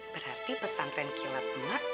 berarti pesan tranquilat mak